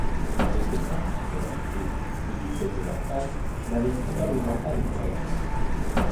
Ils étaient herbivores et, du fait de leur taille, n'avaient probablement pas de prédateurs.